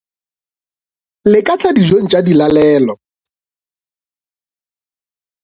Le ka tla dijong tša dilalelo.